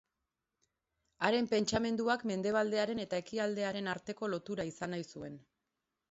Haren pentsamenduak mendebaldearen eta ekialdearen arteko lotura izan nahi zuen.